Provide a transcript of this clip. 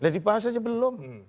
dibahas saja belum